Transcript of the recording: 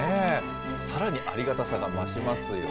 さらにありがたさが増しますよね。